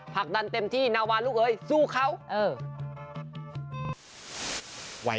ผลักดันเต็มที่นาวาลูกเอ้ยสู้เขาเออ